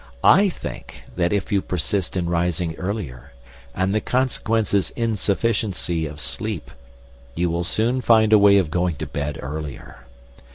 I think that if you persist in rising earlier, and the consequence is insufficiency of sleep, you will soon find a way of going to bed earlier.